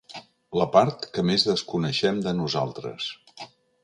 La part que més desconeixem de nosaltres.